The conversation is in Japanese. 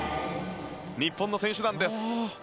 日本の選手団です。